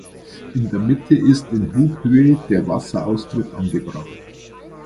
In der Mitte ist in „Hubhöhe“ der Wasseraustritt angebracht.